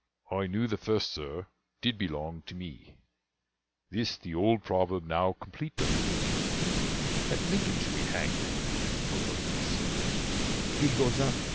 LINCOLN. I knew the first, sir, did belong to me: This the old proverb now complete doth make, That Lincoln should be hanged for London's sake.